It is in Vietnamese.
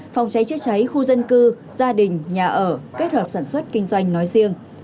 phòng cháy chữa cháy khu dân cư gia đình nhà ở kết hợp sản xuất kinh doanh nói riêng